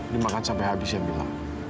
dimakan sampai habis ya bilang